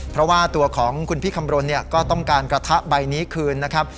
เพราะว่าตัวของคุณพี่คำรณก็ต้องการกระทะใบนี้คืนนะครับ